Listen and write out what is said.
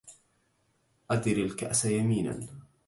أدر الكأس يمينا